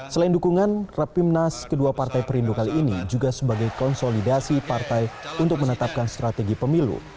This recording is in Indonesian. selain dukungan rapimnas kedua partai perindu kali ini juga sebagai konsolidasi partai untuk menetapkan strategi pemilu